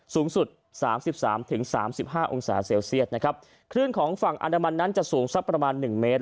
สูงสุด๓๓๓๕องศาเซลเซียสคลื่นของฝั่งอันดามันนั้นจะสูงสักประมาณ๑เมตร